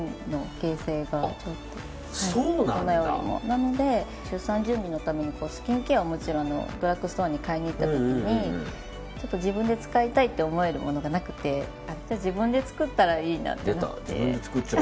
なので出産準備のためにスキンケアをドラッグストアに買いに行った時に自分で使いたいと思えるものがなくてじゃあ自分で作ったらいいんだってなって。